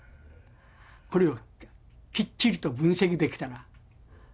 これをきっちりと分析できたら。